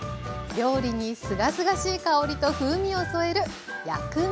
料理にすがすがしい香りと風味を添える薬味。